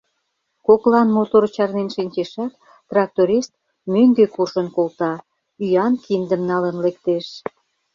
Коклан «мотор» чарнен шинчешат, «тракторист» мӧҥгӧ куржын колта, ӱян киндым налын лектеш.